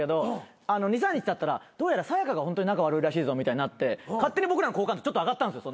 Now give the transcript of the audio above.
２３日たったらどうやらさや香がホントに仲悪いらしいぞみたいになって勝手に僕らの好感度ちょっと上がったんですよ。